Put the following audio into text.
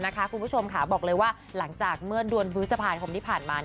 คุณผู้ชมค่ะบอกเลยว่าหลังจากเมื่อนด้วยวิวสะพายคลมที่ผ่านมา